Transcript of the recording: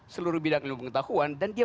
seluruh bidang ilmu pengetahuan dan dia